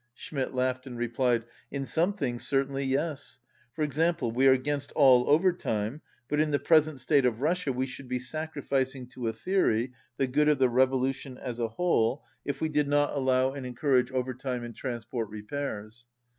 Schmidt laughed and replied : "In some things certainly, yes. For example, we are against all overtime, but, in the present state of Russia we should be sacrificing to a theory the good of the revolution as a whole if we did not allow and en 177 courage overtime in transport repairs.